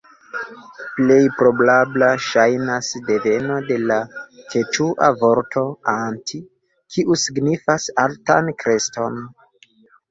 Plej probabla ŝajnas deveno de la keĉua vorto "anti", kiu signifas altan kreston.